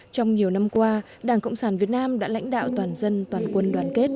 trong nhiều năm qua đảng cộng sản việt nam đã lãnh đạo toàn dân toàn quân đoàn kết